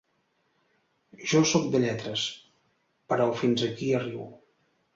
Jo sóc de lletres, però fins aquí arribo.